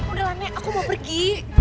udahlah nek aku mau pergi